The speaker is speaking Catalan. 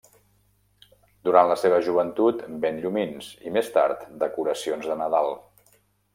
Durant la seva joventut ven llumins i, més tard, decoracions de Nadal.